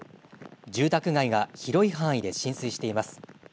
住宅街が広い範囲で浸水しています。